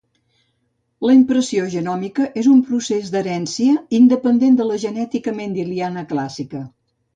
La impressió genòmica és un procés d'herència independent de la genètica mendeliana clàssica